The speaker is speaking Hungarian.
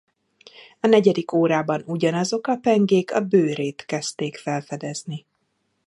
A negyedik órában ugyanazok a pengék a bőrét kezdték felfedezni.